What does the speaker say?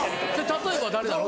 例えば誰なの？